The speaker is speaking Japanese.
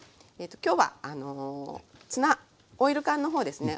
今日はツナオイル缶の方ですね